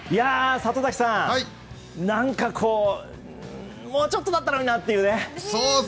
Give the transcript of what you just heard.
里崎さん、何かもうちょっとだったのになってね。